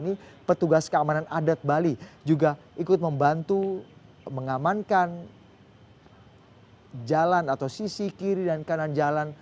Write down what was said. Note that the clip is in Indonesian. ini petugas keamanan adat bali juga ikut membantu mengamankan jalan atau sisi kiri dan kanan jalan